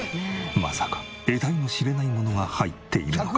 まさか得体の知れないものが入っているのか？